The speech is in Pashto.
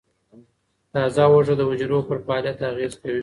تازه هوږه د حجرو پر فعالیت اغېز کوي.